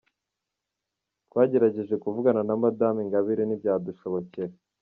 Twagerageje kuvugana na Madamu Ingabire ntibyadushobokera.